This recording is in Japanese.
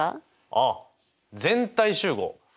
あっ全体集合。